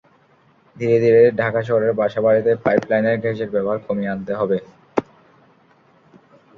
ধীরে ধীরে ঢাকা শহরের বাসাবাড়িতে পাইপ লাইনের গ্যাসের ব্যবহার কমিয়ে আনতে হবে।